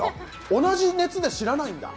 同じ熱で知らないんだ！